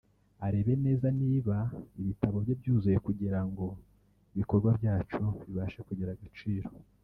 arebe neza niba ibitabo bye byuzuye kugira ngo ibikorwa byacu bibashe kugira agaciro